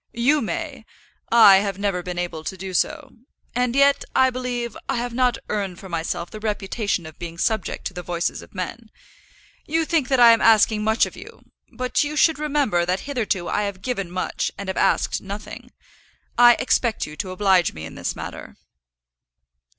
"You may. I have never been able to do so. And yet, I believe, I have not earned for myself the reputation of being subject to the voices of men. You think that I am asking much of you; but you should remember that hitherto I have given much and have asked nothing. I expect you to oblige me in this matter."